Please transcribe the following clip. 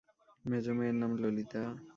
মেজো মেয়ের নাম ললিতা।